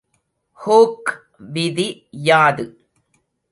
Hook விதி யாது?